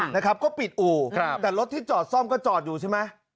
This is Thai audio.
นะครับก็ปิดอู่ครับแต่รถที่จอดซ่อมก็จอดอยู่ใช่ไหม